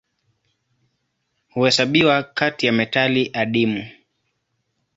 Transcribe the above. Huhesabiwa kati ya metali adimu.